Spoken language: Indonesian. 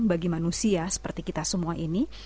bagi manusia seperti kita semua ini